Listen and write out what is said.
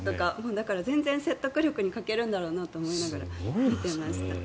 だから、全然説得力に欠けるんだろうなと思いながら見ていました。